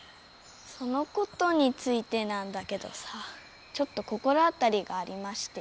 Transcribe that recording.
そのことについてなんだけどさちょっと心当たりがありまして。